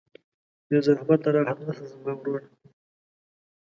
بې زحمته راحت نسته زما وروره